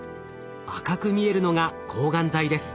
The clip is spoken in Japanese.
赤く見えるのが抗がん剤です。